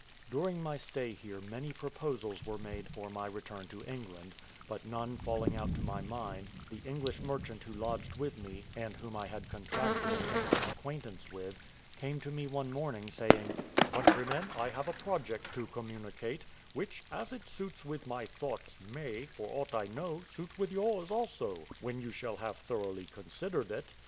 During my stay here many proposals were made for my return to England, but none falling out to my mind, the English merchant who lodged with me, and whom I had contracted an intimate acquaintance with, came to me one morning, saying: "Countryman, I have a project to communicate, which, as it suits with my thoughts, may, for aught I know, suit with yours also, when you shall have thoroughly considered it.